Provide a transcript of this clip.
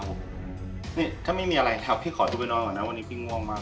นี่ถ้าไม่มีอะไรครับพี่ขอดูไปนอนก่อนนะวันนี้พี่งงมาก